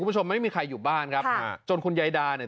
คุณผู้ชมไม่มีใครอยู่บ้านครับจนคุณยายดาเนี่ย